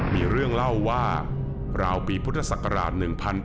มีเรื่องเล่าว่าราวปีพุทธศักราช๑๘